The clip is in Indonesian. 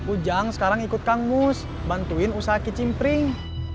ujang sekarang ikut kangus bantuin usaha kicimpring